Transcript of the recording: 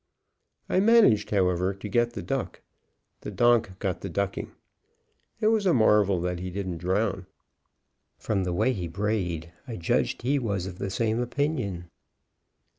I managed, however, to get the duck; the donk got the ducking. It was a marvel that he didn't drown; from the way he brayed, I judged he was of the same opinion.